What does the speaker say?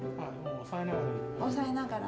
押さえながら。